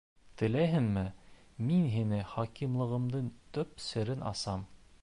Теләйһеңме, мин һиңә хакимлығымдың төп серен асам?